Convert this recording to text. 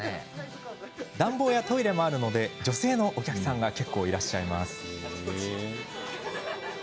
暖房やトイレもあるので女性のお客さんが結構いらっしゃいます。